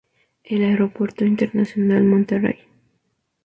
El Aeropuerto Internacional My.